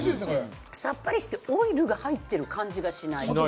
さっぱりしてオイルが入っている感じがしない。